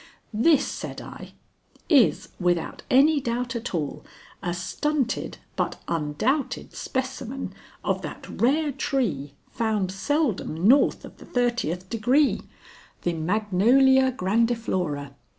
"This," said I, "is, without any doubt at all, a stunted but undoubted specimen of that rare tree found seldom north of the thirtieth degree, the Magnolia grandiflora.